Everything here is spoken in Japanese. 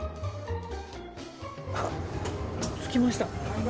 あ、着きました。